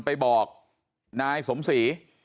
ไปบอกนายสมศรี